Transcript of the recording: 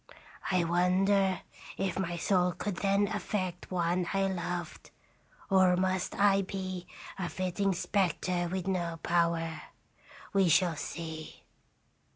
I wonder if my soul could then affect one I loved, or must I be a flitting spectre with no power. We shall see.'